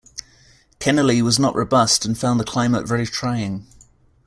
Kennerley was not robust and found the climate very trying.